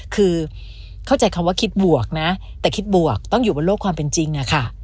คือเข้าใจคำว่าคิดบวกนะแต่คิดบวกต้องอยู่บนโลกความเป็นจริงอะค่ะ